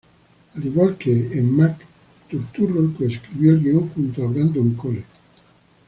Al igual que en "Mac", Turturro coescribió el guion junto a Brandon Cole.